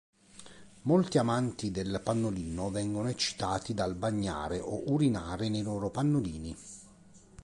Molti amanti del pannolino vengono eccitati dal "bagnare" o urinare nei loro pannolini.